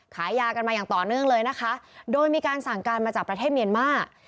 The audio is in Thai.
ขายยากันมาอย่างต่อเนื่องเลยนะคะโดยมีการสั่งการมาจากประเทศเมียนมาร์